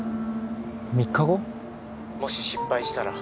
☎もし失敗したら